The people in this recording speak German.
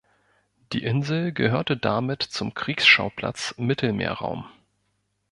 Die Insel gehörte damit zum Kriegsschauplatz Mittelmeerraum.